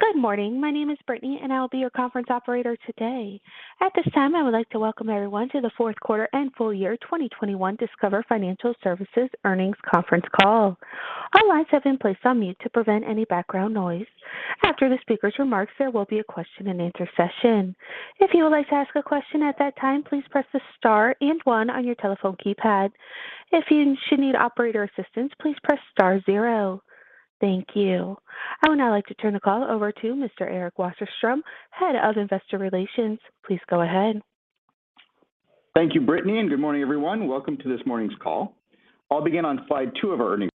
Good morning. My name is Brittany, and I will be your conference operator today. At this time, I would like to welcome everyone to the Q4 and full year 2021 Discover Financial Services Earnings Conference Call. All lines have been placed on mute to prevent any background noise. After the speaker's remarks, there will be a question-and-answer session. If you would like to ask a question at that time, please press the star and one on your telephone keypad. If you should need operator assistance, please press star zero. Thank you. I would now like to turn the call over to Mr. Eric Wasserstrom, Head of Investor Relations. Please go ahead. Thank you, Brittany, and good morning, everyone. Welcome to this morning's call. I'll begin on slide two of our earnings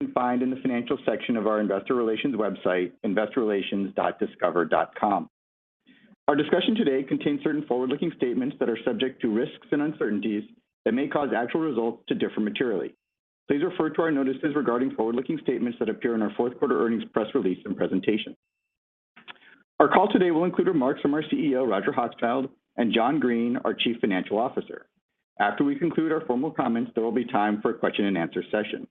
you can find in the financial section of our investor relations website, investorrelations.discover.com. Our discussion today contains certain forward-looking statements that are subject to risks and uncertainties that may cause actual results to differ materially. Please refer to our notices regarding forward-looking statements that appear in our Q4 earnings press release and presentation. Our call today will include remarks from our CEO, Roger Hochschild, and John Greene, our Chief Financial Officer. After we conclude our formal comments, there will be time for a question-and-answer session.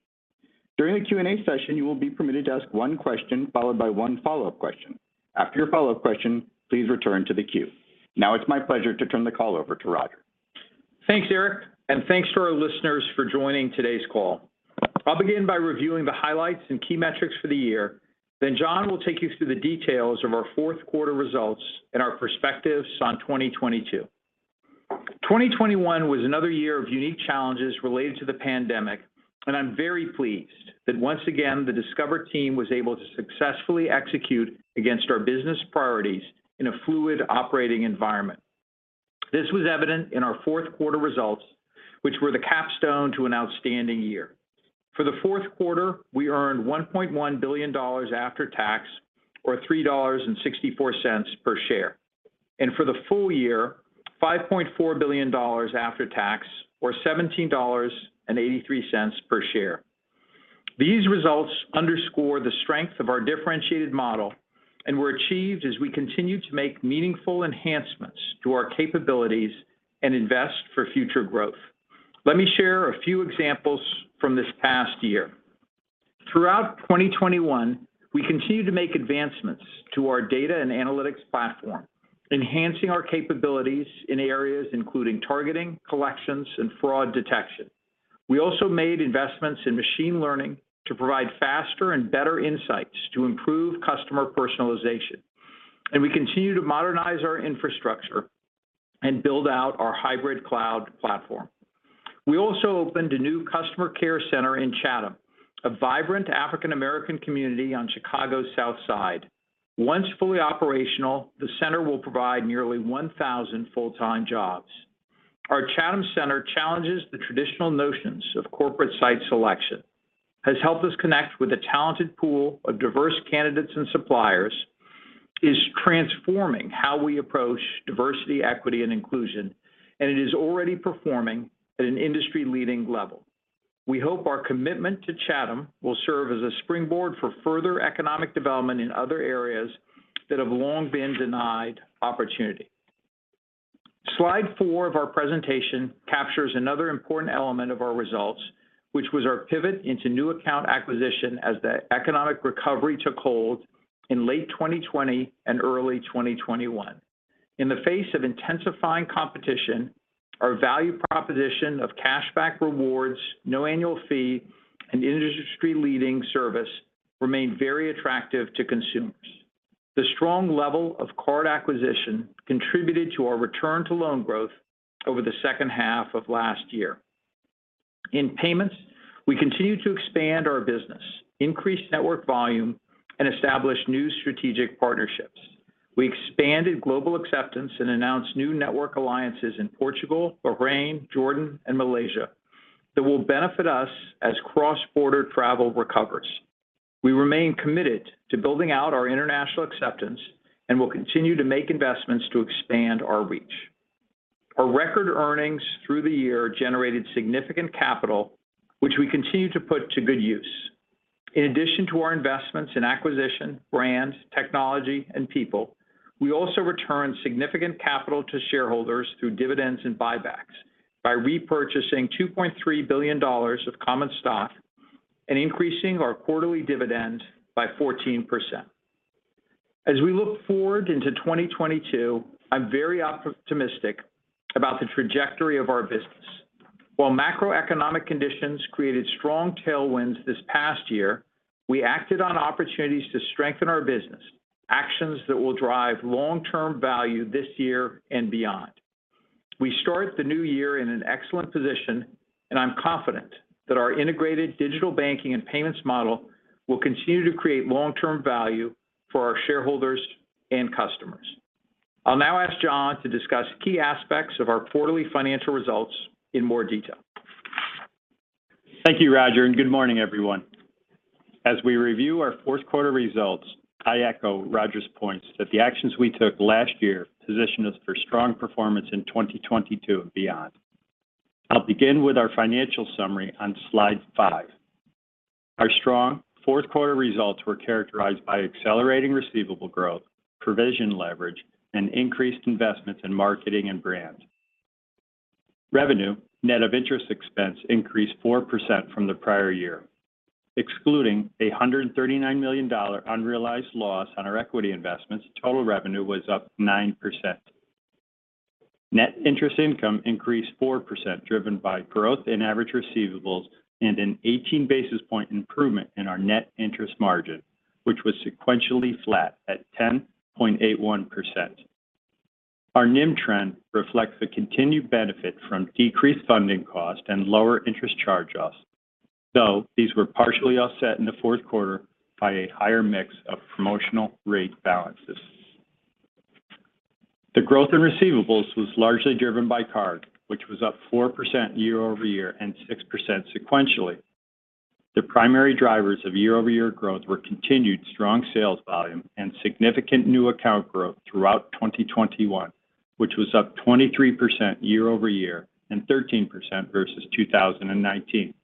During the Q&A session, you will be permitted to ask one question followed by one follow-up question. After your follow-up question, please return to the queue. Now it's my pleasure to turn the call over to Roger. Thanks, Eric, and thanks for our listeners for joining today's call. I'll begin by reviewing the highlights and key metrics for the year, then John will take you through the details of our Q4 results and our perspectives on 2022. 2021 was another year of unique challenges related to the pandemic, and I'm very pleased that once again, the Discover team was able to successfully execute against our business priorities in a fluid operating environment. This was evident in our Q4 results, which were the capstone to an outstanding year. For the Q4, we earned $1.1 billion after tax, or $3.64 per share. For the full year, $5.4 billion after tax or $17.83 per share. These results underscore the strength of our differentiated model and were achieved as we continue to make meaningful enhancements to our capabilities and invest for future growth. Let me share a few examples from this past year. Throughout 2021, we continued to make advancements to our data and analytics platform, enhancing our capabilities in areas including targeting, collections, and fraud detection. We also made investments in machine learning to provide faster and better insights to improve customer personalization. We continue to modernize our infrastructure and build out our hybrid cloud platform. We also opened a new customer care center in Chatham, a vibrant African American community on Chicago's South Side. Once fully operational, the center will provide nearly 1,000 full-time jobs. Our Chatham center challenges the traditional notions of corporate site selection, has helped us connect with a talented pool of diverse candidates and suppliers, is transforming how we approach diversity, equity, and inclusion, and it is already performing at an industry-leading level. We hope our commitment to Chatham will serve as a springboard for further economic development in other areas that have long been denied opportunity. Slide 4 of our presentation captures another important element of our results, which was our pivot into new account acquisition as the economic recovery took hold in late 2020 and early 2021. In the face of intensifying competition, our value proposition of cashback rewards, no annual fee, and industry-leading service remained very attractive to consumers. The strong level of card acquisition contributed to our return to loan growth over the second half of last year. In payments, we continued to expand our business, increase network volume, and establish new strategic partnerships. We expanded global acceptance and announced new network alliances in Portugal, Bahrain, Jordan, and Malaysia that will benefit us as cross-border travel recovers. We remain committed to building out our international acceptance and will continue to make investments to expand our reach. Our record earnings through the year generated significant capital, which we continue to put to good use. In addition to our investments in acquisition, brands, technology, and people, we also returned significant capital to shareholders through dividends and buybacks by repurchasing $2.3 billion of common stock and increasing our quarterly dividend by 14%. As we look forward into 2022, I'm very optimistic about the trajectory of our business. While macroeconomic conditions created strong tailwinds this past year, we acted on opportunities to strengthen our business, actions that will drive long-term value this year and beyond. We start the new year in an excellent position, and I'm confident that our integrated digital banking and payments model will continue to create long-term value for our shareholders and customers. I'll now ask John to discuss key aspects of our quarterly financial results in more detail. Thank you, Roger, and good morning, everyone. As we review our Q4 results, I echo Roger's points that the actions we took last year position us for strong performance in 2022 and beyond. I'll begin with our financial summary on slide five. Our strong Q4 results were characterized by accelerating receivable growth, provision leverage, and increased investments in marketing and brand. Revenue net of interest expense increased 4% from the prior year. Excluding $139 million unrealized loss on our equity investments, total revenue was up 9%. Net interest income increased 4%, driven by growth in average receivables and an 18 basis point improvement in our net interest margin, which was sequentially flat at 10.81%. Our NIM trend reflects the continued benefit from decreased funding cost and lower interest charge-offs, though these were partially offset in the Q4 by a higher mix of promotional rate balances. The growth in receivables was largely driven by card, which was up 4% year-over-year and 6% sequentially. The primary drivers of year-over-year growth were continued strong sales volume and significant new account growth throughout 2021, which was up 23% year-over-year and 13% versus 2019.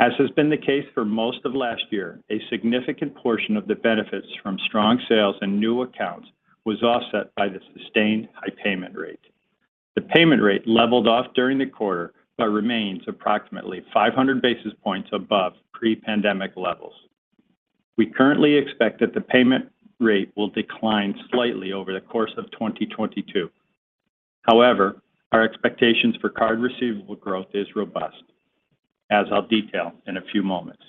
As has been the case for most of last year, a significant portion of the benefits from strong sales and new accounts was offset by the sustained high payment rate. The payment rate leveled off during the quarter but remains approximately 500 basis points above pre-pandemic levels. We currently expect that the payment rate will decline slightly over the course of 2022. However, our expectations for card receivable growth is robust, as I'll detail in a few moments.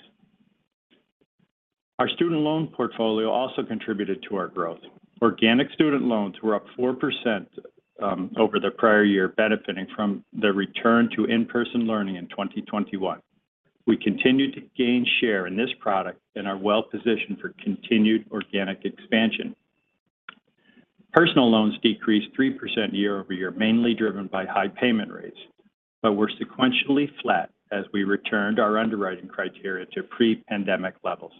Our student loan portfolio also contributed to our growth. Organic student loans were up 4% over the prior year, benefiting from the return to in-person learning in 2021. We continue to gain share in this product and are well positioned for continued organic expansion. Personal loans decreased 3% year-over-year, mainly driven by high payment rates, but were sequentially flat as we returned our underwriting criteria to pre-pandemic levels.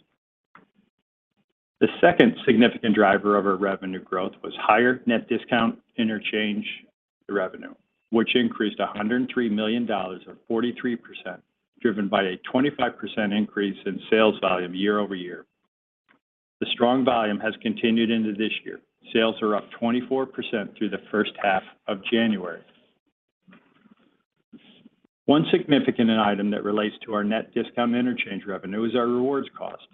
The second significant driver of our revenue growth was higher net discount interchange revenue, which increased $103 million or 43%, driven by a 25% increase in sales volume year-over-year. The strong volume has continued into this year. Sales are up 24% through the first half of January. One significant item that relates to our net discount interchange revenue is our rewards cost.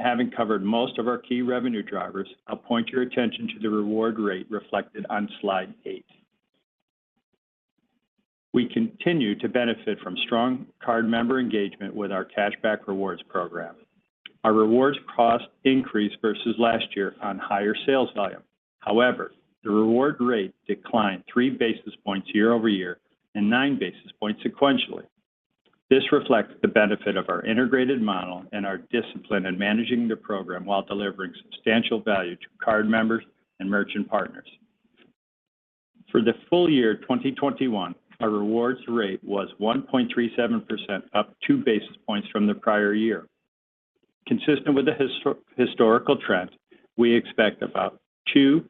Having covered most of our key revenue drivers, I'll point your attention to the reward rate reflected on slide 8. We continue to benefit from strong card member engagement with our cashback rewards program. Our rewards cost increased versus last year on higher sales volume. However, the reward rate declined 3 basis points year-over-year and 9 basis points sequentially. This reflects the benefit of our integrated model and our discipline in managing the program while delivering substantial value to card members and merchant partners. For the full year 2021, our rewards rate was 1.37%, up 2 basis points from the prior year. Consistent with the historical trend, we expect about 2-4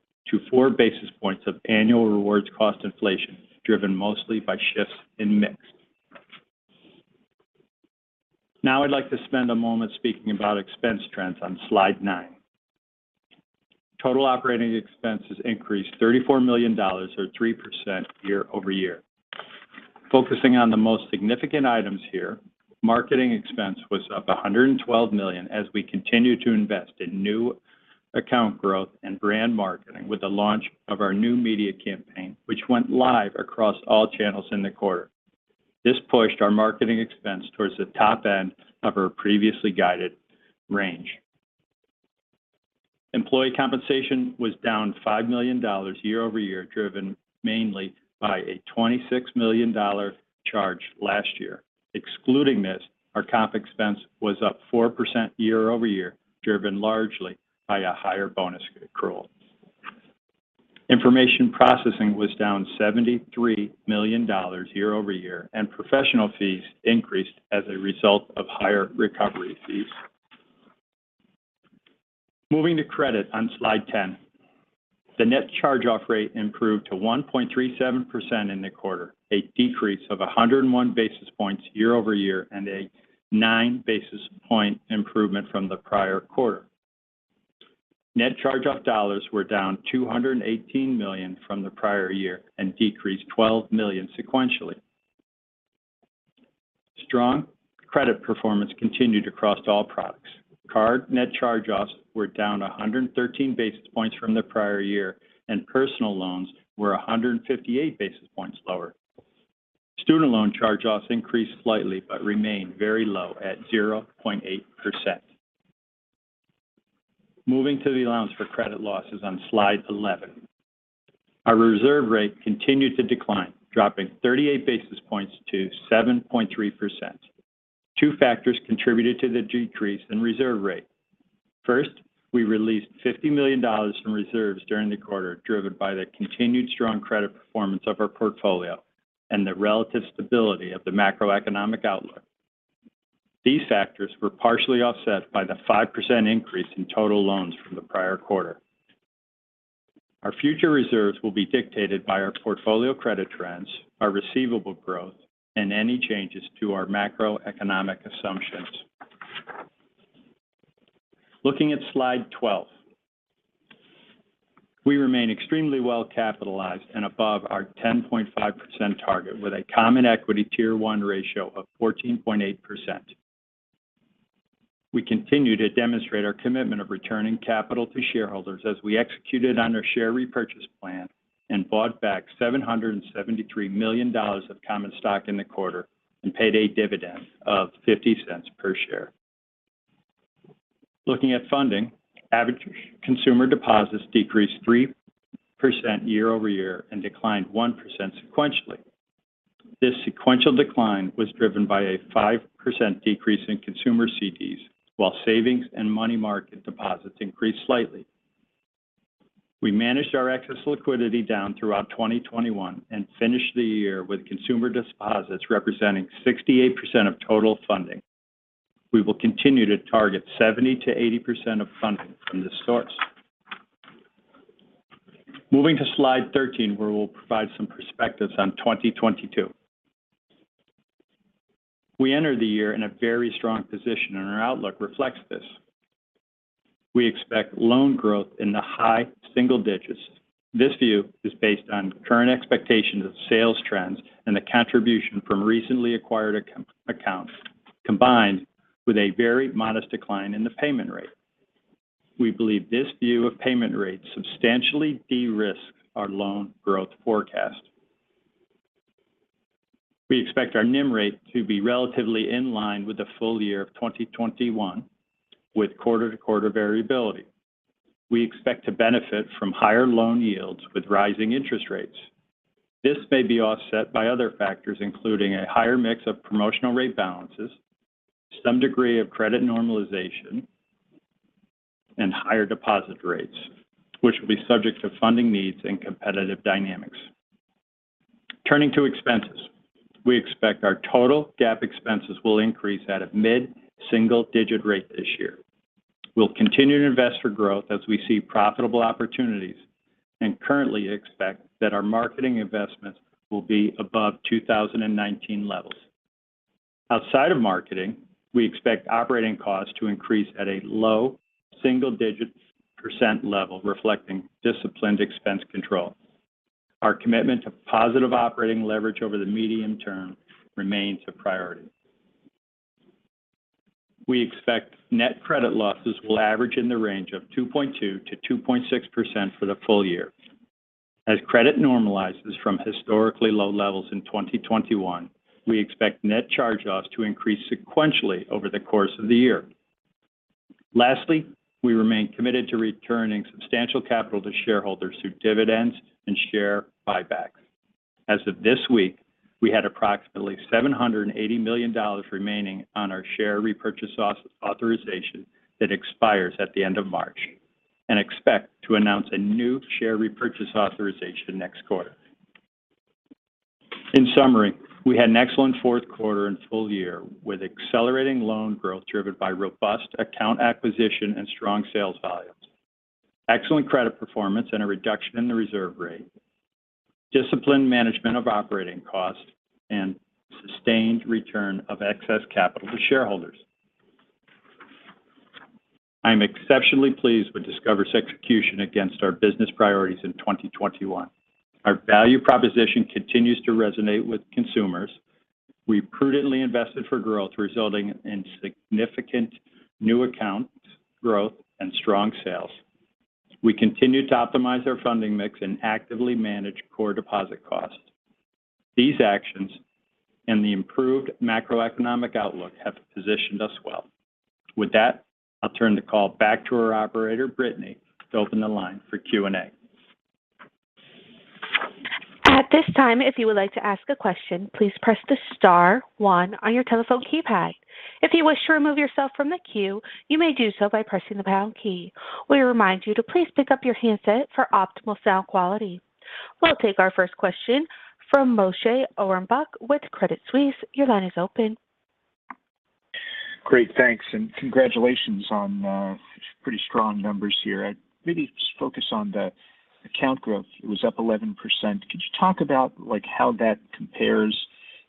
basis points of annual rewards cost inflation, driven mostly by shifts in mix. Now I'd like to spend a moment speaking about expense trends on slide nine. Total operating expenses increased $34 million or 3% year-over-year. Focusing on the most significant items here, marketing expense was up $112 million as we continued to invest in new account growth and brand marketing with the launch of our new media campaign, which went live across all channels in the quarter. This pushed our marketing expense towards the top end of our previously guided range. Employee compensation was down $5 million year-over-year, driven mainly by a $26 million charge last year. Excluding this, our comp expense was up 4% year-over-year, driven largely by a higher bonus accrual. Information processing was down $73 million year-over-year, and professional fees increased as a result of higher recovery fees. Moving to credit on slide 10, the Net Charge-Off rate improved to 1.37% in the quarter, a decrease of 101 basis points year-over-year, and a 9 basis point improvement from the prior quarter. Net Charge-Off dollars were down $218 million from the prior year and decreased $12 million sequentially. Strong credit performance continued across all products. Card Net Charge-Offs were down 113 basis points from the prior year, and personal loans were 158 basis points lower. Student loan charge-offs increased slightly but remained very low at 0.8%. Moving to the Allowance for Credit Losses on slide 11. Our reserve rate continued to decline, dropping 38 basis points to 7.3%. Two factors contributed to the decrease in reserve rate. First, we released $50 million from reserves during the quarter, driven by the continued strong credit performance of our portfolio and the relative stability of the macroeconomic outlook. These factors were partially offset by the 5% increase in total loans from the prior quarter. Our future reserves will be dictated by our portfolio credit trends, our receivable growth, and any changes to our macroeconomic assumptions. Looking at slide 12. We remain extremely well capitalized and above our 10.5% target with a common equity tier one ratio of 14.8%. We continue to demonstrate our commitment of returning capital to shareholders as we executed on our share repurchase plan and bought back $773 million of common stock in the quarter and paid a dividend of $0.50 per share. Looking at funding, average consumer deposits decreased 3% year-over-year and declined 1% sequentially. This sequential decline was driven by a 5% decrease in consumer CDs while savings and money market deposits increased slightly. We managed our excess liquidity down throughout 2021 and finished the year with consumer deposits representing 68% of total funding. We will continue to target 70%-80% of funding from this source. Moving to slide 13, where we'll provide some perspectives on 2022. We enter the year in a very strong position, and our outlook reflects this. We expect loan growth in the high single digits. This view is based on current expectations of sales trends and the contribution from recently acquired accounts, combined with a very modest decline in the payment rate. We believe this view of payment rates substantially de-risk our loan growth forecast. We expect our NIM rate to be relatively in line with the full year of 2021, with quarter-to-quarter variability. We expect to benefit from higher loan yields with rising interest rates. This may be offset by other factors, including a higher mix of promotional rate balances, some degree of credit normalization, and higher deposit rates, which will be subject to funding needs and competitive dynamics. Turning to expenses. We expect our total GAAP expenses will increase at a mid-single digit rate this year. We'll continue to invest for growth as we see profitable opportunities and currently expect that our marketing investments will be above 2019 levels. Outside of marketing, we expect operating costs to increase at a low single-digit % level, reflecting disciplined expense control. Our commitment to positive operating leverage over the medium term remains a priority. We expect net credit losses will average in the range of 2.2%-2.6% for the full year. As credit normalizes from historically low levels in 2021, we expect net charge-offs to increase sequentially over the course of the year. Lastly, we remain committed to returning substantial capital to shareholders through dividends and share buybacks. As of this week, we had approximately $780 million remaining on our share repurchase authorization that expires at the end of March and expect to announce a new share repurchase authorization next quarter. In summary, we had an excellent Q4 and full year with accelerating loan growth driven by robust account acquisition and strong sales volumes, excellent credit performance and a reduction in the reserve rate, disciplined management of operating costs, and sustained return of excess capital to shareholders. I'm exceptionally pleased with Discover's execution against our business priorities in 2021. Our value proposition continues to resonate with consumers. We prudently invested for growth, resulting in significant new accounts growth and strong sales. We continued to optimize our funding mix and actively manage core deposit costs. These actions and the improved macroeconomic outlook have positioned us well. With that, I'll turn the call back to our operator, Brittany, to open the line for Q&A. We'll take our first question from Moshe Orenbuch with Credit Suisse. Your line is open. Great. Thanks, and congratulations on pretty strong numbers here. I'd maybe just focus on the account growth. It was up 11%. Could you talk about, like, how that compares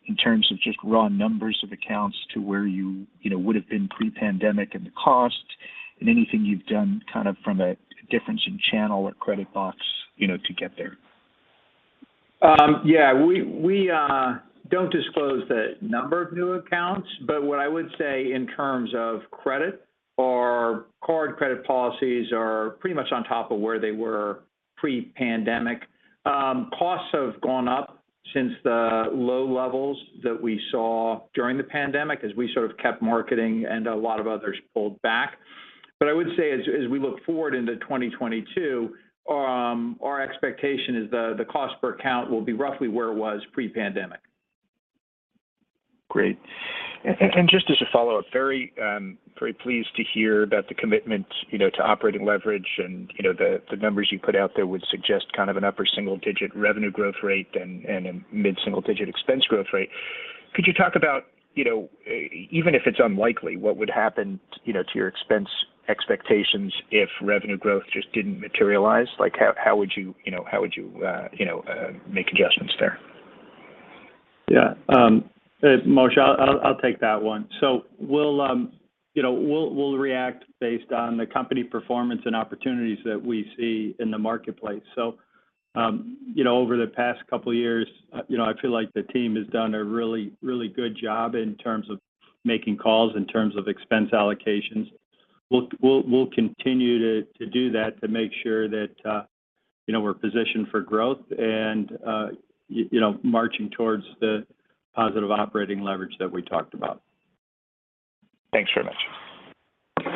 in terms of just raw numbers of accounts to where you know, would have been pre-pandemic and the cost and anything you've done kind of from a difference in channel or credit box, you know, to get there? Yeah. We don't disclose the number of new accounts. What I would say in terms of credit, our card credit policies are pretty much on top of where they were pre-pandemic. Costs have gone up since the low levels that we saw during the pandemic as we sort of kept marketing and a lot of others pulled back. I would say as we look forward into 2022, our expectation is the cost per account will be roughly where it was pre-pandemic. Great. Yeah. Just as a follow-up, very pleased to hear about the commitment, you know, to operating leverage. You know, the numbers you put out there would suggest kind of an upper single digit revenue growth rate and a mid-single digit expense growth rate. Could you talk about, you know, even if it's unlikely, what would happen, you know, to your expense expectations if revenue growth just didn't materialize? Like, how would you know, make adjustments there? Moshe, I'll take that one. We'll react based on the company performance and opportunities that we see in the marketplace. Over the past couple of years, you know, I feel like the team has done a really good job in terms of making calls, in terms of expense allocations. We'll continue to do that to make sure that, you know, we're positioned for growth and, you know, marching towards the positive operating leverage that we talked about. Thanks very much.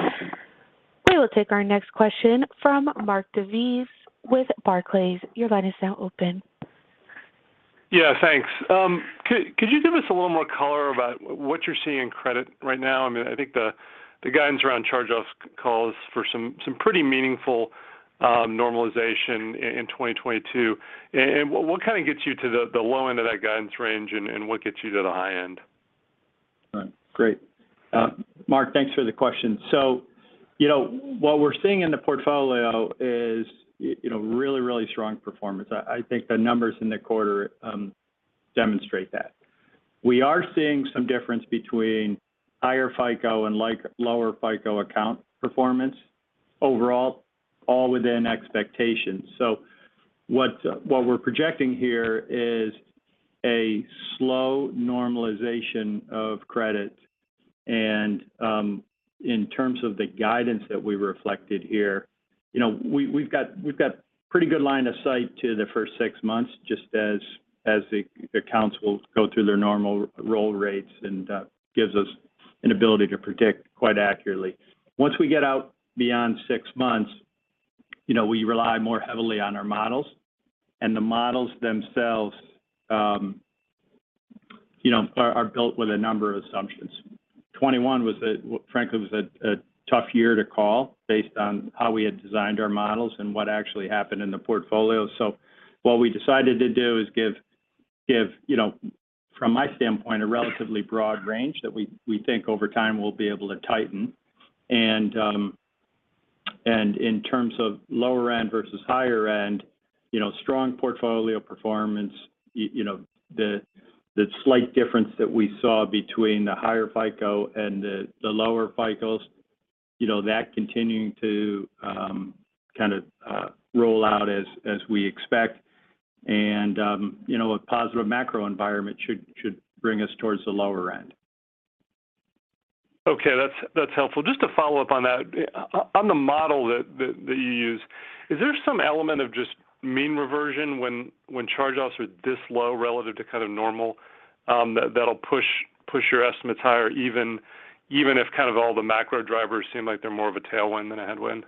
We will take our next question from Mark DeVries with Barclays. Your line is now open. Yeah, thanks. Could you give us a little more color about what you're seeing in credit right now? I mean, I think the guidance around charge-offs calls for some pretty meaningful normalization in 2022. What kind of gets you to the low end of that guidance range, and what gets you to the high end? All right. Great. Mark, thanks for the question. So, you know, what we're seeing in the portfolio is, you know, really strong performance. I think the numbers in the quarter demonstrate that. We are seeing some difference between higher FICO and like lower FICO account performance. Overall, all within expectations. So what we're projecting here is a slow normalization of credit. In terms of the guidance that we reflected here, you know, we've got pretty good line of sight to the first six months, just as the accounts will go through their normal roll rates and gives us an ability to predict quite accurately. Once we get out beyond six months, you know, we rely more heavily on our models, and the models themselves, you know, are built with a number of assumptions. 2021 was a well, frankly, a tough year to call based on how we had designed our models and what actually happened in the portfolio. What we decided to do is give you know, from my standpoint, a relatively broad range that we think over time we'll be able to tighten. In terms of lower end versus higher end, you know, strong portfolio performance, you know, the slight difference that we saw between the higher FICO and the lower FICOs, you know, that continuing to kind of roll out as we expect. You know, a positive macro environment should bring us towards the lower end. Okay. That's helpful. Just to follow up on that. On the model that you use, is there some element of just mean reversion when charge-offs are this low relative to kind of normal, that'll push your estimates higher even if kind of all the macro drivers seem like they're more of a tailwind than a headwind?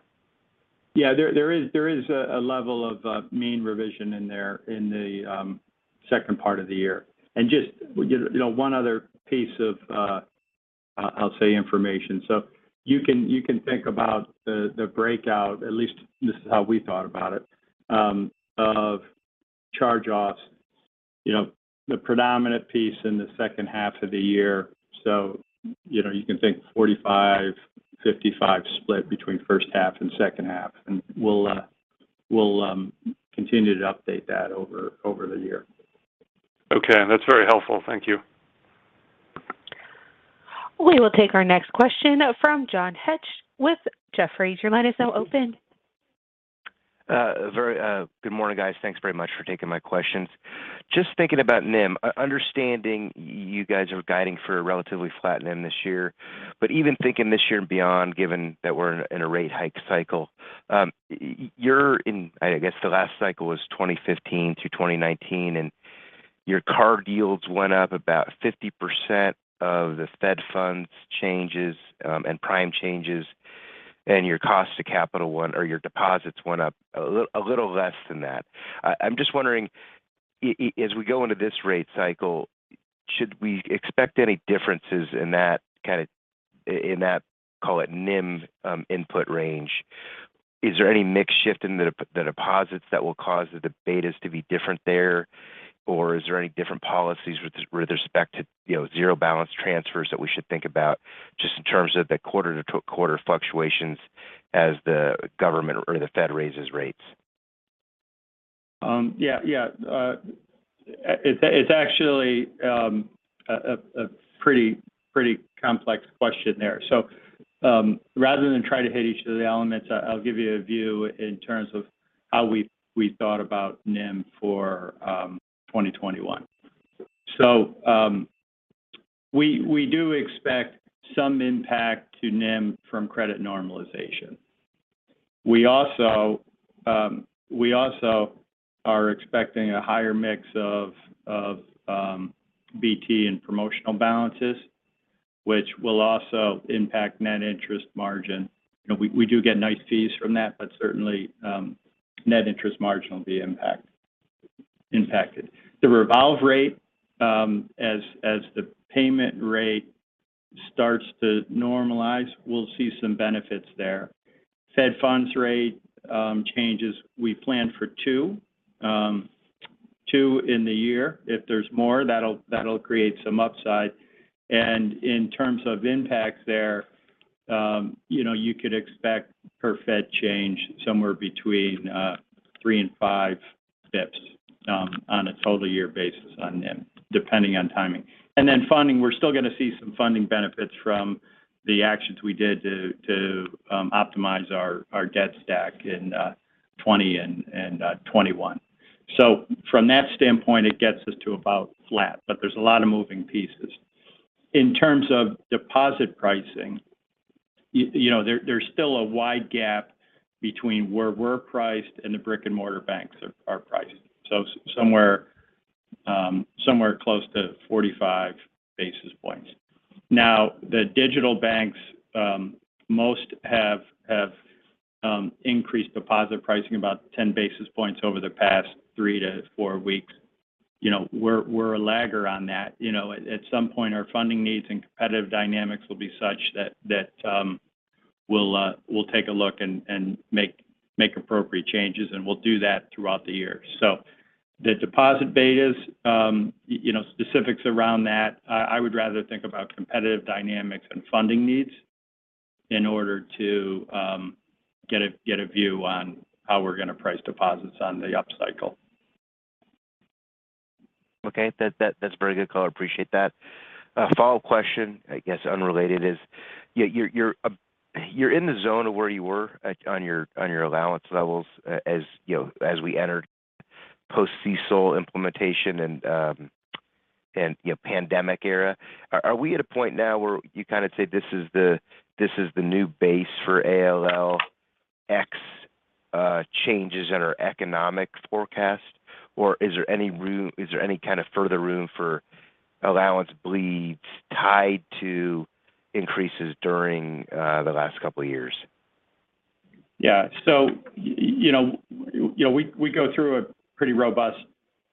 There is a level of mean reversion in the second part of the year. Just, you know, one other piece of, I'll say information. You can think about the breakout, at least this is how we thought about it, of charge-offs, you know, the predominant piece in the second half of the year. You can think 45%-55% split between first half and second half, and we'll continue to update that over the year. Okay. That's very helpful. Thank you. We will take our next question from John Hecht with Jefferies. Your line is now open. Good morning, guys. Thanks very much for taking my questions. Just thinking about NIM, understanding you guys are guiding for a relatively flat NIM this year. Even thinking this year and beyond, given that we're in a rate hike cycle, I guess the last cycle was 2015 through 2019, and your card yields went up about 50% of the Fed funds changes, and prime changes, and your cost of capital went—or your deposits went up a little less than that. I'm just wondering as we go into this rate cycle, should we expect any differences in that kind of—in that, call it NIM, input range? Is there any mix shift in the deposits that will cause the betas to be different there? Is there any different policies with respect to, you know, zero balance transfers that we should think about just in terms of the quarter-to-quarter fluctuations as the government or the Fed raises rates? Yeah. It's actually a pretty complex question there. Rather than try to hit each of the elements, I'll give you a view in terms of how we thought about NIM for 2021. We do expect some impact to NIM from credit normalization. We also are expecting a higher mix of BT and promotional balances, which will also impact net interest margin. You know, we do get nice fees from that, but certainly net interest margin will be impacted. The revolve rate, as the payment rate starts to normalize, we'll see some benefits there. Fed funds rate changes, we plan for 2 in the year. If there's more, that'll create some upside. In terms of impacts there, you know, you could expect per Fed change somewhere between 3 and 5 basis points on a total year basis on NIM, depending on timing. Then funding, we're still gonna see some funding benefits from the actions we did to optimize our debt stack in 2020 and 2021. From that standpoint, it gets us to about flat, but there's a lot of moving pieces. In terms of deposit pricing, you know, there's still a wide gap between where we're priced and the brick-and-mortar banks are priced. Somewhere close to 45 basis points. Now, the digital banks, most have increased deposit pricing about 10 basis points over the past 3-4 weeks. You know, we're a lagger on that. You know, at some point, our funding needs and competitive dynamics will be such that we'll take a look and make appropriate changes, and we'll do that throughout the year. The deposit betas, you know, specifics around that, I would rather think about competitive dynamics and funding needs in order to get a view on how we're gonna price deposits on the upcycle. Okay. That's a very good call. I appreciate that. A follow-up question, I guess unrelated is, you're in the zone of where you were on your allowance levels as, you know, as we entered post-CECL implementation and, you know, pandemic era. Are we at a point now where you kind of say this is the new base for ACLs changes in our economic forecast? Or is there any kind of further room for allowance bleeds tied to increases during the last couple years? You know, we go through a pretty robust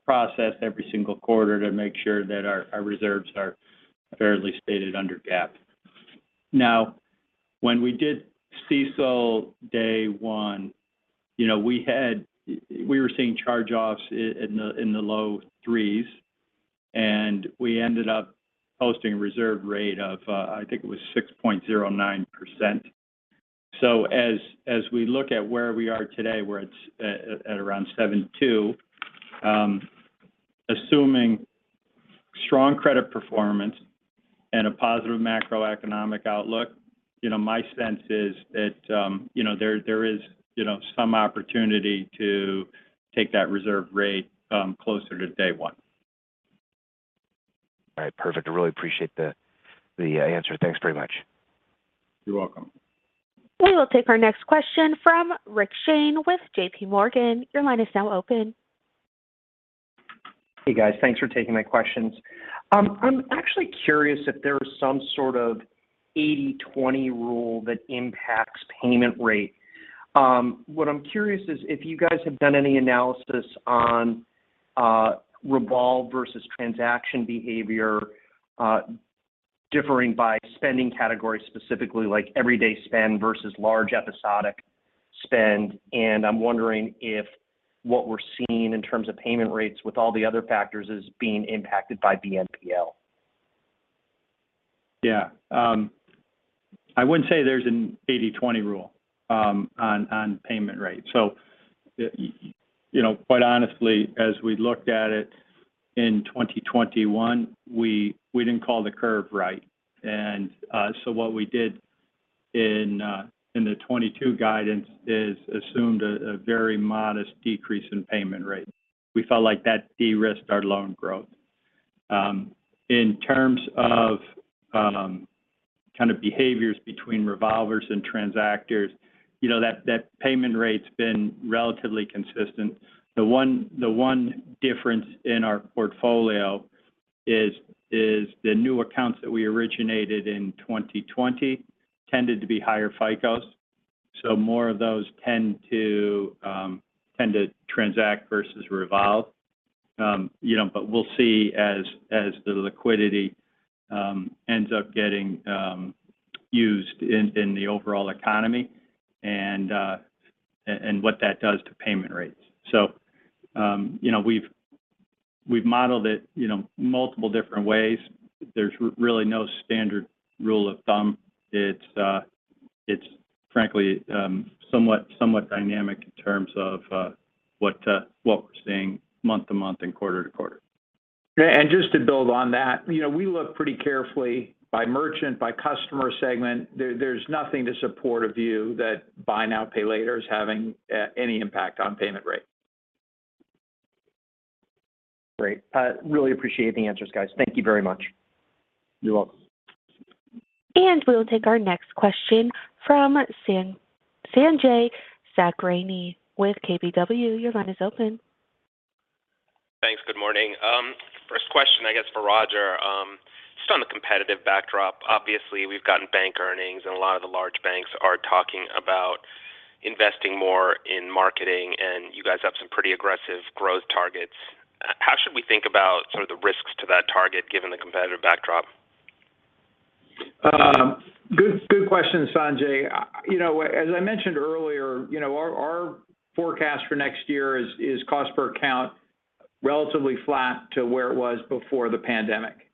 process every single quarter to make sure that our reserves are fairly stated under GAAP. Now, when we did CECL day one, you know, we had. We were seeing charge-offs in the low threes, and we ended up posting a reserve rate of, I think it was 6.09%. As we look at where we are today, we're at around 7.2%. Assuming strong credit performance and a positive macroeconomic outlook, you know, my sense is that, you know, there is some opportunity to take that reserve rate closer to day one. All right. Perfect. I really appreciate the answer. Thanks very much. You're welcome. We will take our next question from Rick Shane with JP Morgan. Your line is now open. Hey, guys. Thanks for taking my questions. I'm actually curious if there's some sort of 80/20 rule that impacts payment rate. What I'm curious is if you guys have done any analysis on, revolve versus transaction behavior, differing by spending categories, specifically like everyday spend versus large episodic spend. I'm wondering if what we're seeing in terms of payment rates with all the other factors is being impacted by BNPL. Yeah. I wouldn't say there's an 80/20 rule on payment rate. You know, quite honestly, as we looked at it in 2021, we didn't call the curve right. What we did in the 2022 guidance is assumed a very modest decrease in payment rate. We felt like that de-risked our loan growth. In terms of kind of behaviors between revolvers and transactors, you know, that payment rate's been relatively consistent. The one difference in our portfolio is the new accounts that we originated in 2020 tended to be higher FICOs. More of those tend to transact versus revolve. You know, we'll see as the liquidity ends up getting used in the overall economy and what that does to payment rates. You know, we've modeled it you know multiple different ways. There's really no standard rule of thumb. It's frankly somewhat dynamic in terms of what we're seeing month to month and quarter to quarter. Just to build on that, you know, we look pretty carefully by merchant, by customer segment. There's nothing to support a view that buy now, pay later is having any impact on payment rate. Great. Really appreciate the answers, guys. Thank you very much. You're welcome. We'll take our next question from Sanjay Sakhrani with KBW. Your line is open. Thanks. Good morning. First question, I guess, for Roger. Just on the competitive backdrop, obviously, we've gotten bank earnings, and a lot of the large banks are talking about investing more in marketing, and you guys have some pretty aggressive growth targets. How should we think about some of the risks to that target given the competitive backdrop? Good question, Sanjay. You know, as I mentioned earlier, you know, our forecast for next year is cost per account relatively flat to where it was before the pandemic.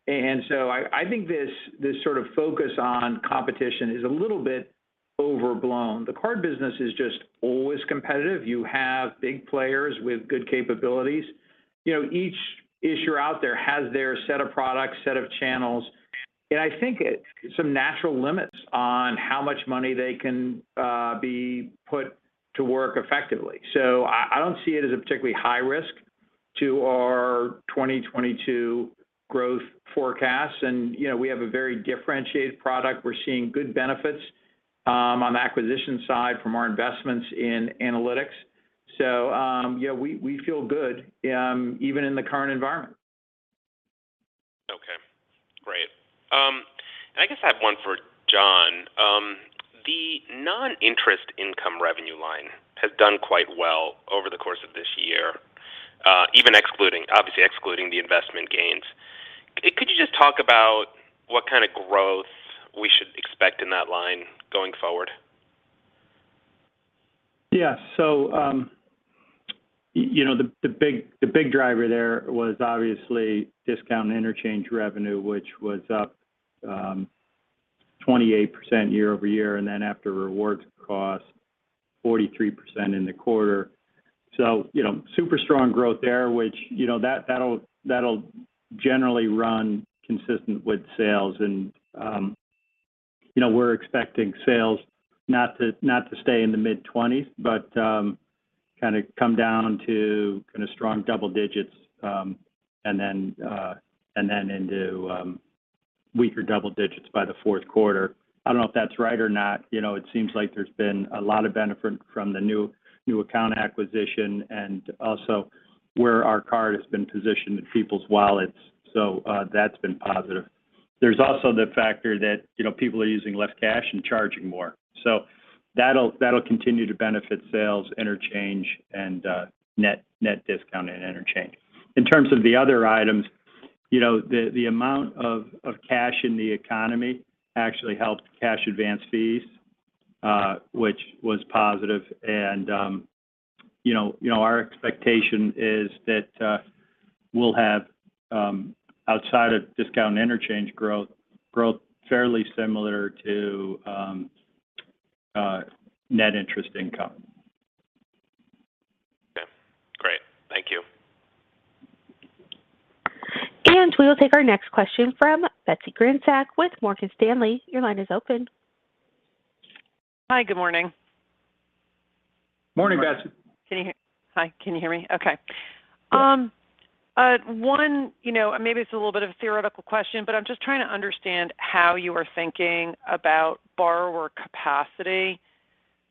I think this sort of focus on competition is a little bit overblown. The card business is just always competitive. You have big players with good capabilities. You know, each issuer out there has their set of products, set of channels. I think some natural limits on how much money they can be put to work effectively. I don't see it as a particularly high risk to our 2022 growth forecast. You know, we have a very differentiated product. We're seeing good benefits on the acquisition side from our investments in analytics. Yeah, we feel good even in the current environment. Okay, great. I guess I have one for John. The non-interest income revenue line has done quite well over the course of this year, even obviously excluding the investment gains. Could you just talk about what kind of growth we should expect in that line going forward? Yeah. You know, the big driver there was obviously discount and interchange revenue, which was up 28% year-over-year, and then after rewards cost, 43% in the quarter. You know, super strong growth there, which you know that'll generally run consistent with sales. You know, we're expecting sales not to stay in the mid-20s, but kind of come down to kind of strong double digits, and then into weaker double digits by the Q4. I don't know if that's right or not. You know, it seems like there's been a lot of benefit from the new account acquisition and also where our card has been positioned in people's wallets. That's been positive. There's also the factor that, you know, people are using less cash and charging more. So that'll continue to benefit sales, interchange, and net discount and interchange. In terms of the other items, you know, the amount of cash in the economy actually helped cash advance fees, which was positive. Our expectation is that we'll have, outside of discount and interchange growth fairly similar to net interest income. Okay. Great. Thank you. We will take our next question from Betsy Graseck with Morgan Stanley. Your line is open. Hi, good morning. Morning, Betsy. Morning. Hi, can you hear me? Okay. One, you know, maybe it's a little bit of a theoretical question, but I'm just trying to understand how you are thinking about borrower capacity,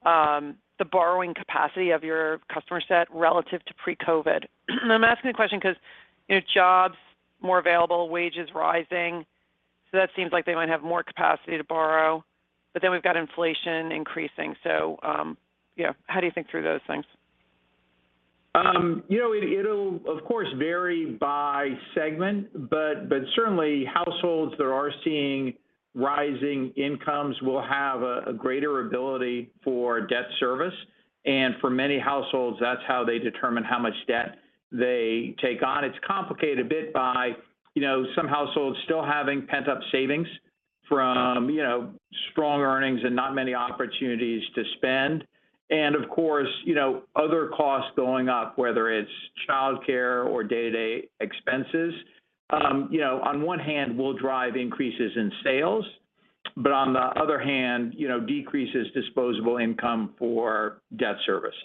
the borrowing capacity of your customer set relative to pre-COVID. I'm asking the question 'cause, you know, jobs more available, wages rising, so that seems like they might have more capacity to borrow. Then we've got inflation increasing. You know, how do you think through those things? You know, it'll of course vary by segment, but certainly households that are seeing rising incomes will have a greater ability for debt service. For many households, that's how they determine how much debt they take on. It's complicated a bit by, you know, some households still having pent-up savings from, you know, strong earnings and not many opportunities to spend. Of course, you know, other costs going up, whether it's childcare or day-to-day expenses, you know, on one hand will drive increases in sales, but on the other hand, you know, decreases disposable income for debt service.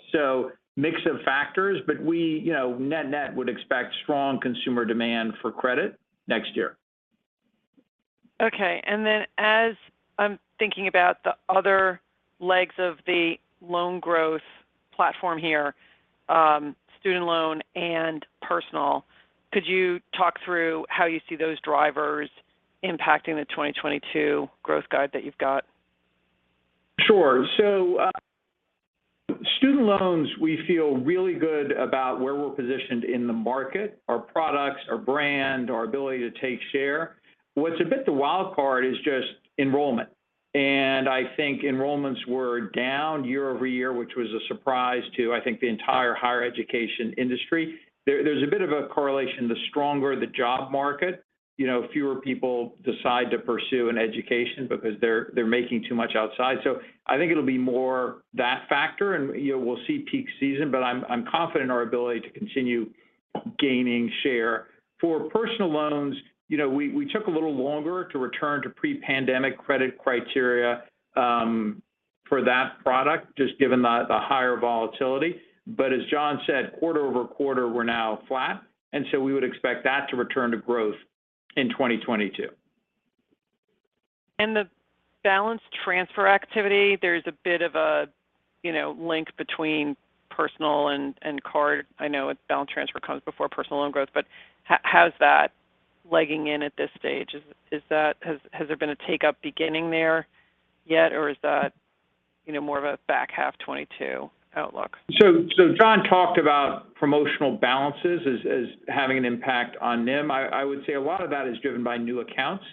Mix of factors, but we, you know, net would expect strong consumer demand for credit next year. Okay. As I'm thinking about the other legs of the loan growth platform here, student loan and personal, could you talk through how you see those drivers impacting the 2022 growth guide that you've got? Sure. Student loans, we feel really good about where we're positioned in the market, our products, our brand, our ability to take share. What's a bit of a wild card is just enrollment. I think enrollments were down year-over-year, which was a surprise to, I think, the entire higher education industry. There's a bit of a correlation. The stronger the job market, you know, fewer people decide to pursue an education because they're making too much outside. I think it'll be more that factor and, you know, we'll see peak season, but I'm confident in our ability to continue gaining share. For personal loans, you know, we took a little longer to return to pre-pandemic credit criteria for that product, just given the higher volatility. As John said, quarter-over-quarter, we're now flat, and so we would expect that to return to growth in 2022. The balance transfer activity, there's a bit of a, you know, link between personal and card. I know balance transfer comes before personal loan growth, but how's that legging in at this stage? Has there been a take-up beginning there yet, or is that, you know, more of a back half 2022 outlook? John talked about promotional balances as having an impact on NIM. I would say a lot of that is driven by new accounts.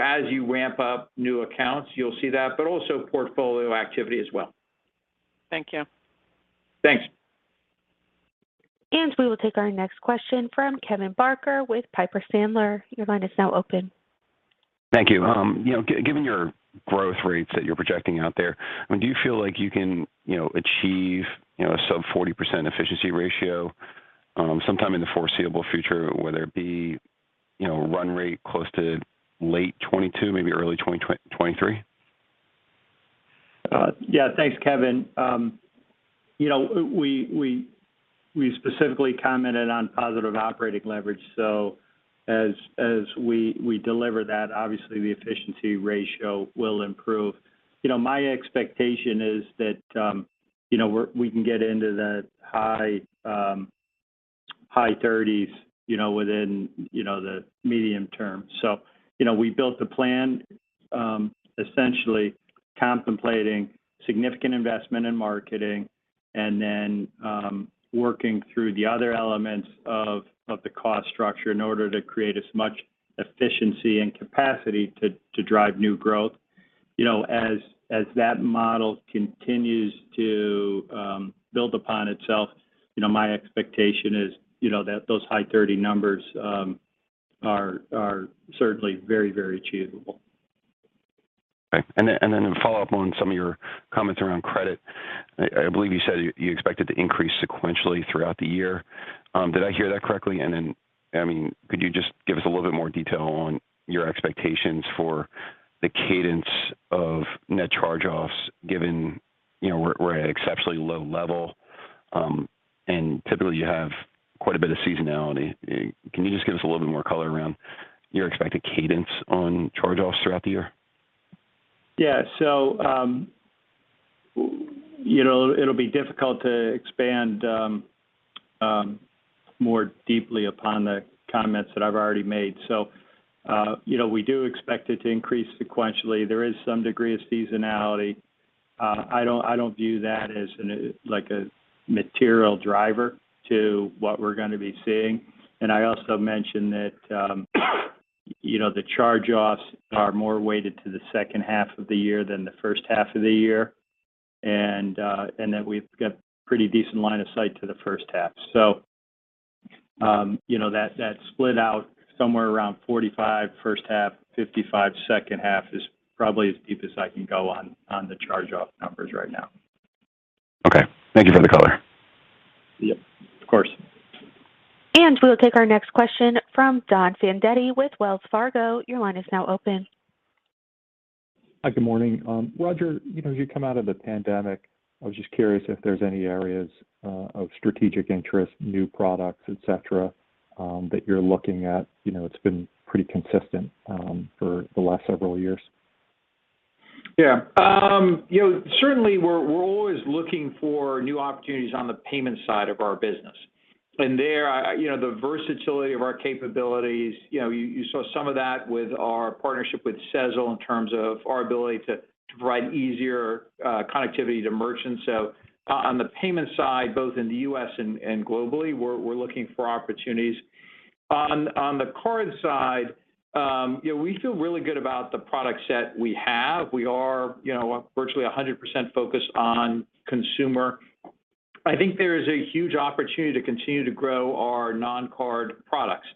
As you ramp up new accounts, you'll see that, but also portfolio activity as well. Thank you. Thanks. We will take our next question from Kevin Barker with Piper Sandler. Your line is now open. Thank you. You know, given your growth rates that you're projecting out there, I mean, do you feel like you can, you know, achieve, you know, a sub 40% efficiency ratio, sometime in the foreseeable future, whether it be, you know, run rate close to late 2022, maybe early 2023? Yeah. Thanks, Kevin. You know, we specifically commented on positive operating leverage, so as we deliver that, obviously the efficiency ratio will improve. You know, my expectation is that you know, we can get into the high thirties, you know, within the medium term. You know, we built the plan essentially contemplating significant investment in marketing and then working through the other elements of the cost structure in order to create as much efficiency and capacity to drive new growth. You know, as that model continues to build upon itself, you know, my expectation is, you know, that those high 30 numbers are certainly very, very achievable. A follow-up on some of your comments around credit. I believe you said you expected to increase sequentially throughout the year. Did I hear that correctly? I mean, could you just give us a little bit more detail on your expectations for the cadence of Net Charge-Offs given, you know, we're at exceptionally low level, and typically you have quite a bit of seasonality. Can you just give us a little bit more color around your expected cadence on Charge-Offs throughout the year? Yeah, you know, it'll be difficult to expand more deeply upon the comments that I've already made. You know, we do expect it to increase sequentially. There is some degree of seasonality. I don't view that as, like, a material driver to what we're gonna be seeing. I also mentioned that the charge-offs are more weighted to the second half of the year than the first half of the year and that we've got pretty decent line of sight to the first half. You know, that split out somewhere around 45% first half, 55% second half is probably as deep as I can go on the charge-off numbers right now. Okay. Thank you for the color. Yep. Of course. We'll take our next question from Don Fandetti with Wells Fargo. Your line is now open. Hi. Good morning. Roger, you know, as you come out of the pandemic, I was just curious if there's any areas of strategic interest, new products, et cetera, that you're looking at. You know, it's been pretty consistent for the last several years. You know, certainly we're always looking for new opportunities on the payment side of our business. There, you know, the versatility of our capabilities, you know, you saw some of that with our partnership with Sezzle in terms of our ability to provide easier connectivity to merchants. On the payment side, both in the U.S. and globally, we're looking for opportunities. On the card side, you know, we feel really good about the product set we have. We are, you know, virtually 100% focused on consumer. I think there is a huge opportunity to continue to grow our non-card products.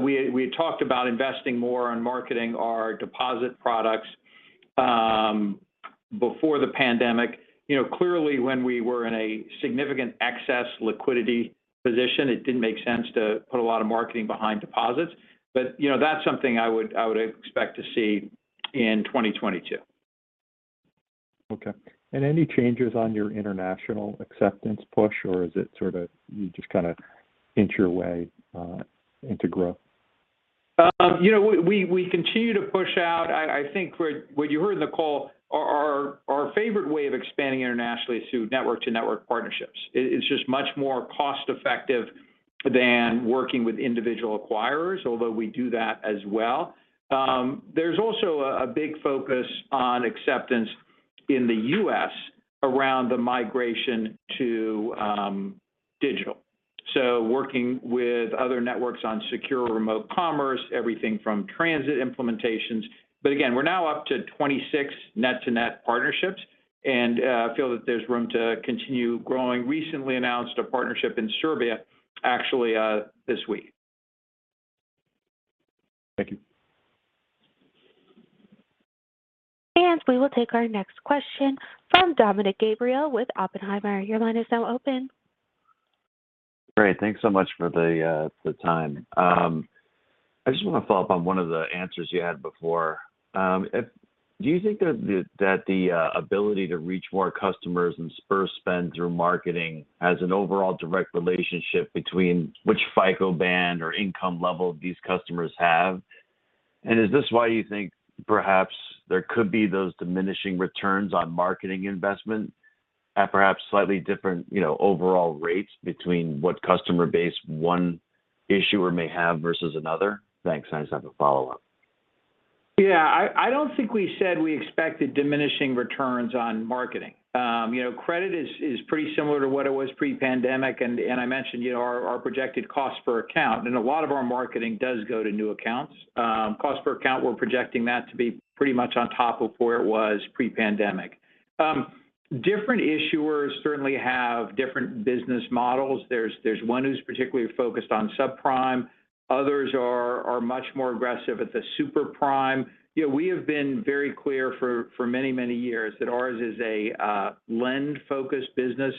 We had talked about investing more on marketing our deposit products before the pandemic. You know, clearly when we were in a significant excess liquidity position, it didn't make sense to put a lot of marketing behind deposits. You know, that's something I would expect to see in 2022. Okay. Any changes on your international acceptance push, or is it sort of you just kind of inch your way into growth? You know, we continue to push out. I think what you heard in the call, our favorite way of expanding internationally is through network-to-network partnerships. It is just much more cost-effective than working with individual acquirers, although we do that as well. There's also a big focus on acceptance in the U.S. around the migration to digital. Working with other networks on Secure Remote Commerce, everything from transit implementations. Again, we're now up to 26 net-to-net partnerships and feel that there's room to continue growing. We recently announced a partnership in Serbia, actually, this week. Thank you. We will take our next question from Dominick Gabriele with Oppenheimer. Your line is now open. Great. Thanks so much for the time. I just want to follow up on one of the answers you had before. Do you think that the ability to reach more customers and spur spend through marketing has an overall direct relationship between which FICO band or income level these customers have? Is this why you think perhaps there could be those diminishing returns on marketing investment at perhaps slightly different, you know, overall rates between what customer base one issuer may have versus another? Thanks. I just have a follow-up. Yeah. I don't think we said we expected diminishing returns on marketing. You know, credit is pretty similar to what it was pre-pandemic, and I mentioned, you know, our projected cost per account, and a lot of our marketing does go to new accounts. Cost per account, we're projecting that to be pretty much on top of where it was pre-pandemic. Different issuers certainly have different business models. There's one who's particularly focused on subprime. Others are much more aggressive at the super prime. You know, we have been very clear for many years that ours is a lend-focused business,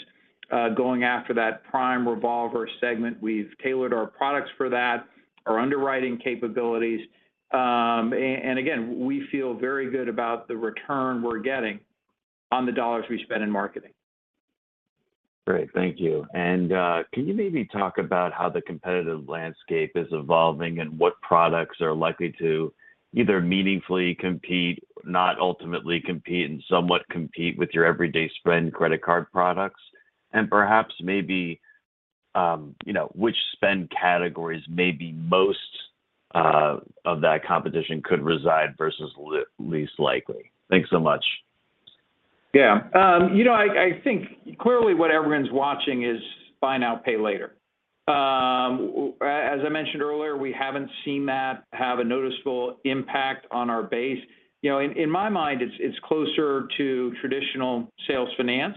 going after that prime revolver segment. We've tailored our products for that, our underwriting capabilities. And again, we feel very good about the return we're getting on the dollars we spend in marketing. Great. Thank you. Can you maybe talk about how the competitive landscape is evolving and what products are likely to either meaningfully compete, not ultimately compete, and somewhat compete with your everyday spend credit card products? Perhaps maybe, you know, which spend categories maybe most of that competition could reside versus least likely. Thanks so much. Yeah. You know, I think clearly what everyone's watching is buy now, pay later. As I mentioned earlier, we haven't seen that have a noticeable impact on our base. You know, in my mind, it's closer to traditional sales finance,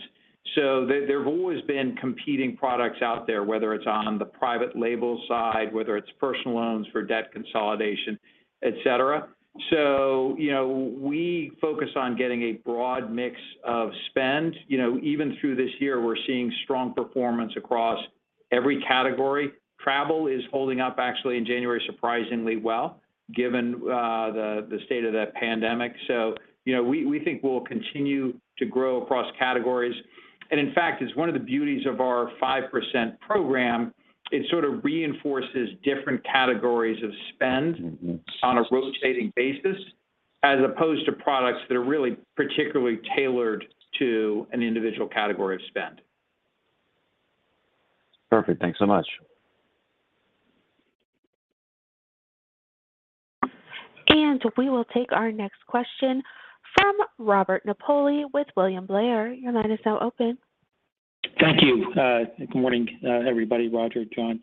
so there have always been competing products out there, whether it's on the private label side, whether it's personal loans for debt consolidation, et cetera. You know, we focus on getting a broad mix of spend. You know, even through this year, we're seeing strong performance across every category. Travel is holding up actually in January surprisingly well, given the state of that pandemic. You know, we think we'll continue to grow across categories. In fact, it's one of the beauties of our 5% program, it sort of reinforces different categories of spend. On a rotating basis, as opposed to products that are really particularly tailored to an individual category of spend. Perfect. Thanks so much. We will take our next question from Robert Napoli with William Blair. Your line is now open. Thank you. Good morning, everybody, Robert, John.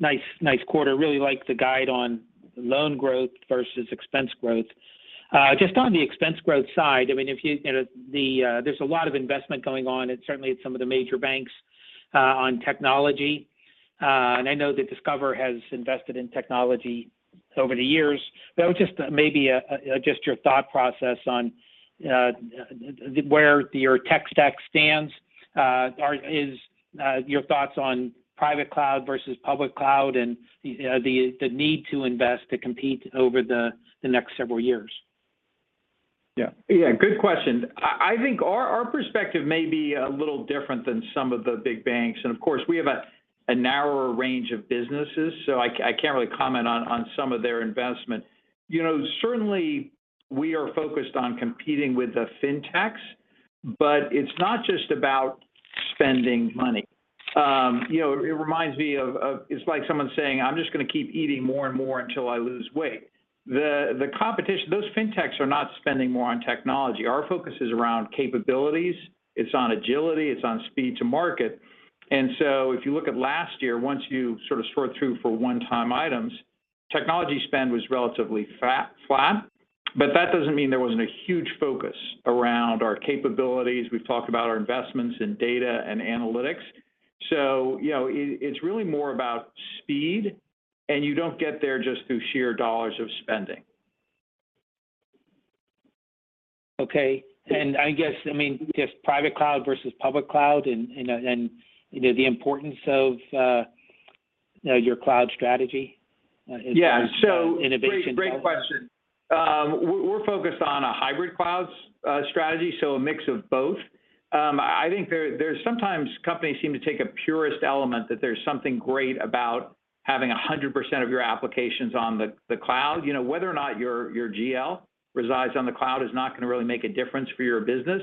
Nice quarter. Really like the guide on loan growth versus expense growth. Just on the expense growth side, I mean, if you know, there's a lot of investment going on, and certainly at some of the major banks on technology. I know that Discover has invested in technology over the years. If I could just maybe just your thought process on where your tech stack stands. Is your thoughts on private cloud versus public cloud and the need to invest to compete over the next several years. Yeah. Yeah, good question. I think our perspective may be a little different than some of the big banks. Of course, we have a narrower range of businesses, so I can't really comment on some of their investment. You know, certainly we are focused on competing with the fintechs, but it's not just about spending money. You know, it reminds me. It's like someone saying, "I'm just gonna keep eating more and more until I lose weight." The competition, those fintechs are not spending more on technology. Our focus is around capabilities. It's on agility. It's on speed to market. If you look at last year, once you sort through for one-time items, technology spend was relatively flat, but that doesn't mean there wasn't a huge focus around our capabilities. We've talked about our investments in data and analytics. You know, it's really more about speed, and you don't get there just through sheer dollars of spending. Okay. I guess, I mean, just private cloud versus public cloud and you know, the importance of your cloud strategy in terms of- Yeah. innovation Great, great question. We're focused on a hybrid cloud strategy, so a mix of both. I think there's sometimes companies seem to take a purist element that there's something great about having 100% of your applications on the cloud. You know, whether or not your GL resides on the cloud is not gonna really make a difference for your business.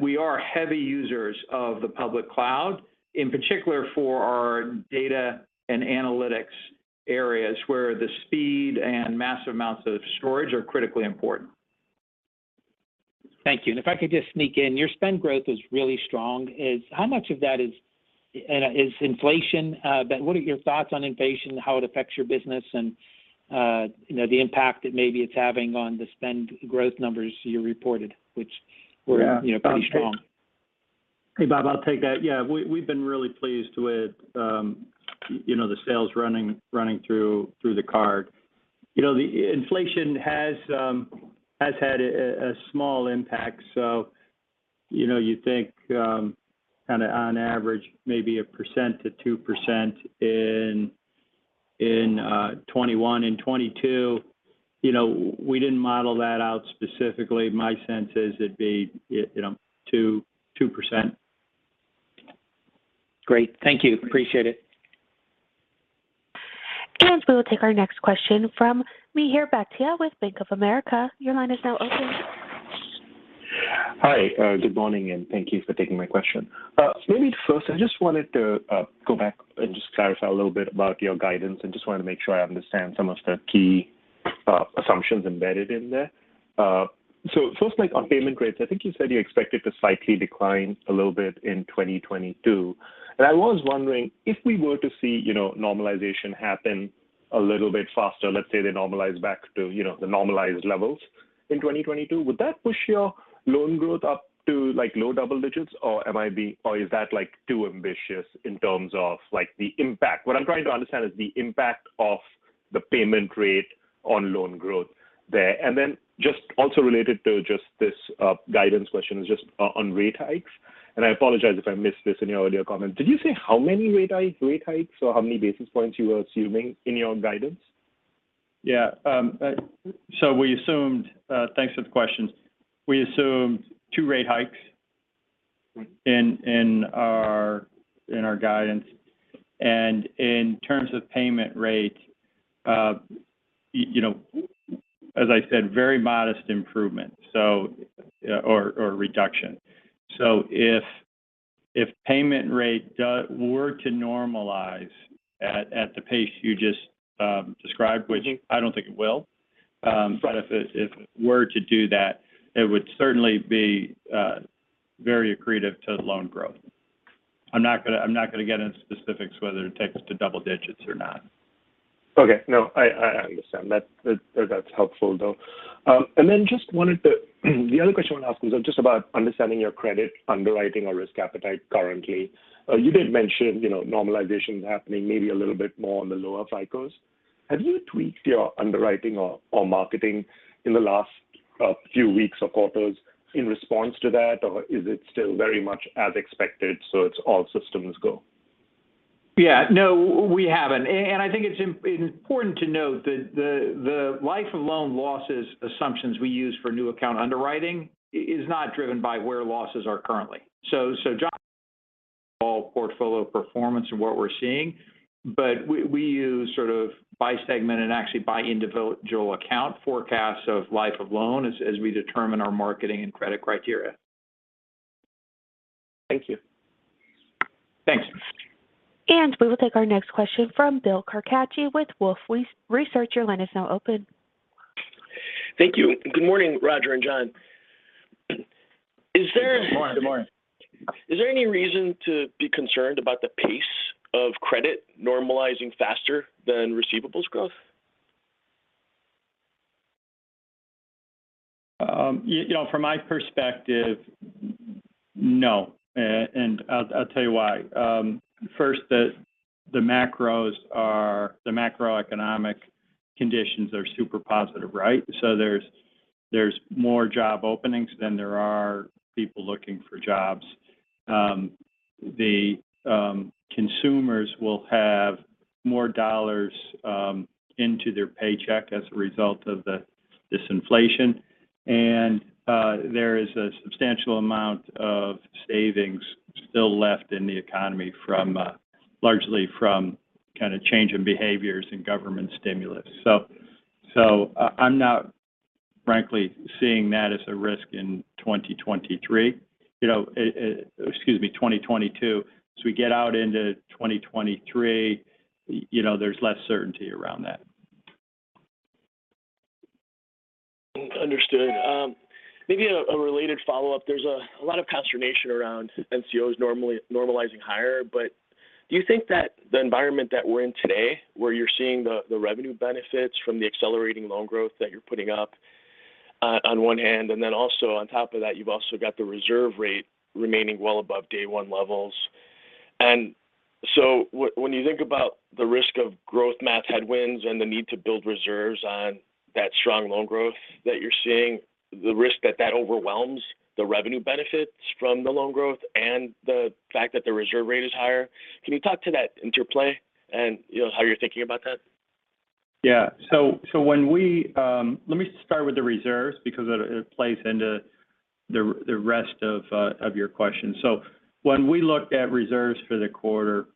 We are heavy users of the public cloud, in particular for our data and analytics areas, where the speed and massive amounts of storage are critically important. Thank you. If I could just sneak in, your spend growth is really strong. How much of that is inflation? What are your thoughts on inflation, how it affects your business, and you know, the impact that maybe it's having on the spend growth numbers you reported, which were- Yeah. You know, pretty strong. Hey, Bob, I'll take that. Yeah. We've been really pleased with, you know, the sales running through the card. You know, the inflation has had a small impact, so you know, you think kinda on average maybe 1%-2% in 2021 and 2022. You know, we didn't model that out specifically. My sense is it'd be, you know, 2%. Great. Thank you. Appreciate it. We will take our next question from Mihir Bhatia with Bank of America. Your line is now open. Hi. Good morning, and thank you for taking my question. Maybe first, I just wanted to go back and just clarify a little bit about your guidance and just wanted to make sure I understand some of the key assumptions embedded in there. It looks like on payment rates, I think you said you expected to slightly decline a little bit in 2022. I was wondering if we were to see, you know, normalization happen a little bit faster, let's say they normalize back to, you know, the normalized levels in 2022, would that push your loan growth up to, like, low double digits? Or is that, like, too ambitious in terms of, like, the impact? What I'm trying to understand is the impact of the payment rate on loan growth there. Then just also related to just this, guidance question is just on rate hikes. I apologize if I missed this in your earlier comment. Did you say how many rate hikes or how many basis points you were assuming in your guidance? Thanks for the questions. We assumed 2 rate hikes. In our guidance. In terms of payment rate, you know, as I said, very modest improvement or reduction. If payment rate were to normalize at the pace you just described. Which I don't think it will. Right If it were to do that, it would certainly be very accretive to the loan growth. I'm not gonna get into specifics whether it takes to double digits or not. Okay. No, I understand. That's helpful though. Then just wanted to the other question I want to ask is just about understanding your credit underwriting or risk appetite currently. You did mention, you know, normalization happening maybe a little bit more on the lower cycles. Have you tweaked your underwriting or marketing in the last few weeks or quarters in response to that, or is it still very much as expected, so it's all systems go? Yeah. No, we haven't. I think it's important to note that the life of loan losses assumptions we use for new account underwriting is not driven by where losses are currently. John all portfolio performance and what we're seeing. We use sort of by segment and actually by individual account forecasts of life of loan as we determine our marketing and credit criteria. Thank you. Thanks. We will take our next question from Bill Carcache with Wolfe Research. Your line is now open. Thank you. Good morning, Roger and John. Good morning. Good morning. Is there any reason to be concerned about the pace of credit normalizing faster than receivables growth? You know, from my perspective, no. I'll tell you why. First, the macroeconomic conditions are super positive, right? There's more job openings than there are people looking for jobs. The consumers will have more dollars into their paycheck as a result of the disinflation. There is a substantial amount of savings still left in the economy from largely kind of change in behaviors and government stimulus. I'm not frankly seeing that as a risk in 2023. You know, excuse me, 2022. As we get out into 2023, you know, there's less certainty around that. Understood. Maybe a related follow-up. There's a lot of consternation around NCOs normally normalizing higher. Do you think that the environment that we're in today, where you're seeing the revenue benefits from the accelerating loan growth that you're putting up on one hand, and then also on top of that, you've also got the reserve rate remaining well above day one levels, when you think about the risk of growth math headwinds and the need to build reserves on that strong loan growth that you're seeing, the risk that that overwhelms the revenue benefits from the loan growth and the fact that the reserve rate is higher. Can you talk to that interplay and, you know, how you're thinking about that? Let me start with the reserves because it plays into the rest of your question. When we looked at reserves for the quarter,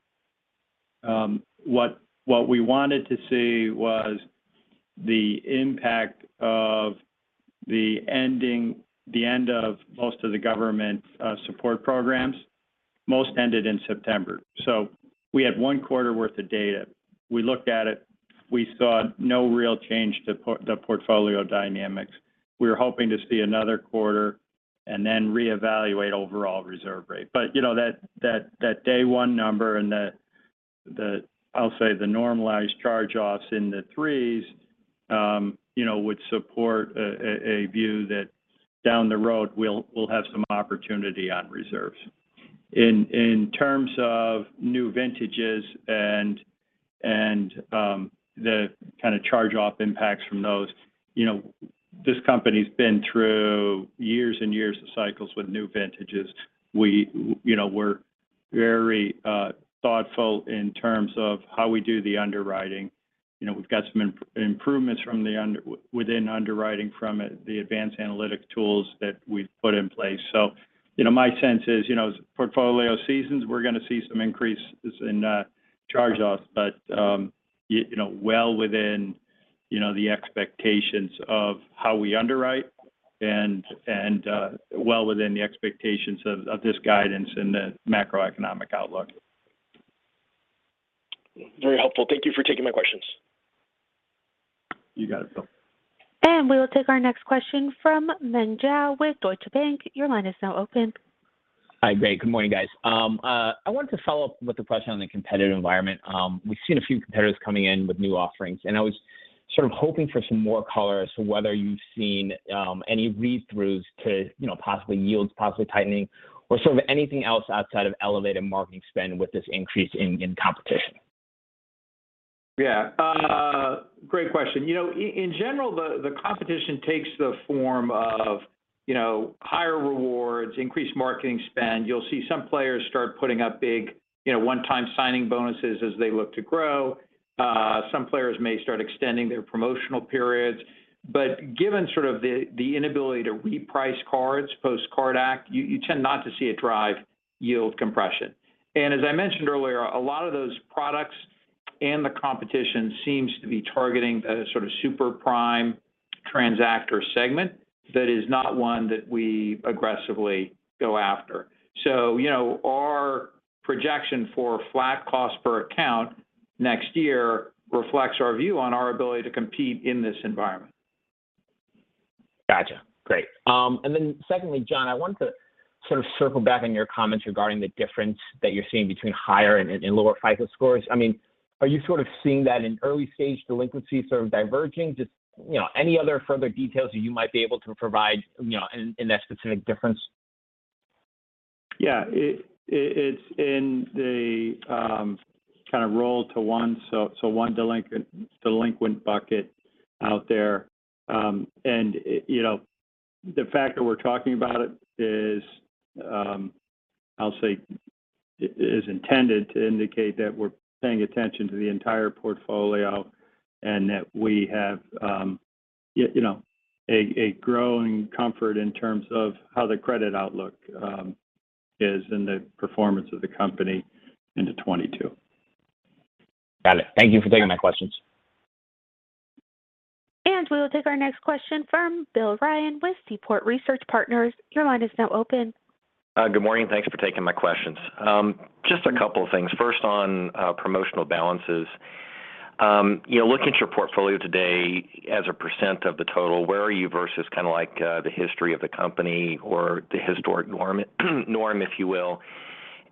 what we wanted to see was the impact of the end of most of the government support programs. Most ended in September. We had one quarter worth of data. We looked at it, we saw no real change to the portfolio dynamics. We were hoping to see another quarter and then reevaluate overall reserve rate. You know, that day one number and the, I'll say the normalized charge-offs in the threes, you know, would support a view that down the road we'll have some opportunity on reserves. In terms of new vintages and the kind of charge-off impacts from those, you know, this company's been through years and years of cycles with new vintages. You know, we're very thoughtful in terms of how we do the underwriting. You know, we've got some improvements from within underwriting from the advanced analytic tools that we've put in place. You know, my sense is, you know, portfolio seasoning, we're gonna see some increases in charge-offs, but you know, well within, you know, the expectations of how we underwrite and well within the expectations of this guidance and the macroeconomic outlook. Very helpful. Thank you for taking my questions. You got it, Bill. We will take our next question from Peng Zhao with Deutsche Bank. Your line is now open. Hi. Great. Good morning, guys. I wanted to follow up with a question on the competitive environment. We've seen a few competitors coming in with new offerings, and I was sort of hoping for some more color as to whether you've seen any read-throughs to, you know, possibly yields, possibly tightening, or sort of anything else outside of elevated marketing spend with this increase in competition. Yeah, great question. You know, in general, the competition takes the form of, you know, higher rewards, increased marketing spend. You'll see some players start putting up big, you know, one-time signing bonuses as they look to grow. Some players may start extending their promotional periods. Given sort of the inability to reprice cards post CARD Act, you tend not to see it drive yield compression. As I mentioned earlier, a lot of those products and the competition seems to be targeting a sort of super prime transactor segment that is not one that we aggressively go after. You know, our projection for flat cost per account next year reflects our view on our ability to compete in this environment. Gotcha. Great. Secondly, John, I wanted to sort of circle back on your comments regarding the difference that you're seeing between higher and lower FICO scores. I mean, are you sort of seeing that in early-stage delinquencies sort of diverging? Just, you know, any other further details that you might be able to provide, you know, in that specific difference? Yeah. It's in the kind of rolled into one, so one delinquent bucket out there. You know, the fact that we're talking about it is, I'll say, intended to indicate that we're paying attention to the entire portfolio and that we have, you know, a growing comfort in terms of how the credit outlook is and the performance of the company into 2022. Got it. Thank you for taking my questions. We will take our next question from Bill Ryan with Seaport Research Partners. Your line is now open. Good morning. Thanks for taking my questions. Just a couple of things. First, on promotional balances. You know, looking at your portfolio today as a percent of the total, where are you versus kind of like the history of the company or the historic norm, if you will?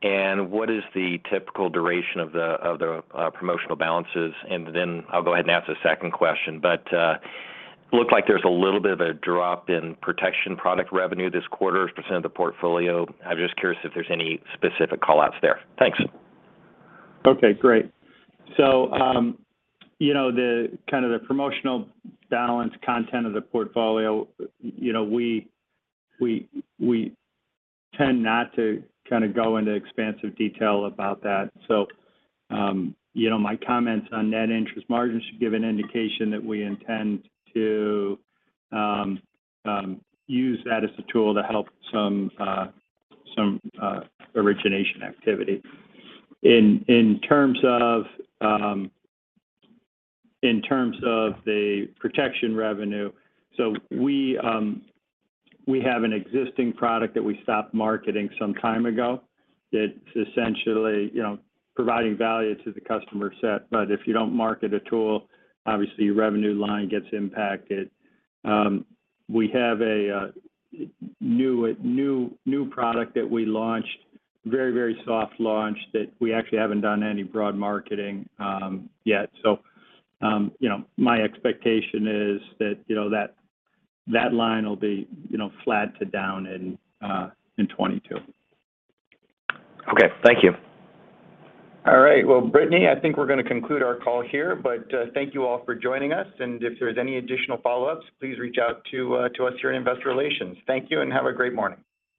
What is the typical duration of the promotional balances? Then I'll go ahead and ask the second question. Looked like there's a little bit of a drop in protection product revenue this quarter as a percent of the portfolio. I'm just curious if there's any specific call-outs there. Thanks. Okay, great. You know, the kind of the promotional balance content of the portfolio, you know, we tend not to kind of go into expansive detail about that. You know, my comments on net interest margin should give an indication that we intend to use that as a tool to help some origination activity. In terms of the protection revenue, we have an existing product that we stopped marketing some time ago that's essentially, you know, providing value to the customer set. If you don't market a tool, obviously your revenue line gets impacted. We have a new product that we launched, very soft launch that we actually haven't done any broad marketing yet. My expectation is that you know that line will be you know flat to down in 2022. Okay. Thank you. All right. Well, Brittany, I think we're going to conclude our call here. But thank you all for joining us, and if there's any additional follow-ups, please reach out to us here in Investor Relations. Thank you, and have a great morning.